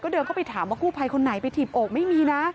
เดินเข้าไปถามว่ากู้ภัยคนไหนไปถีบอกไม่มีนะ